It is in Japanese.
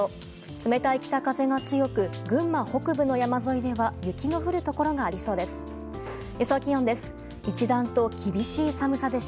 冷たい北風が強く群馬北部の山沿いでは雪の降るところがありそうです。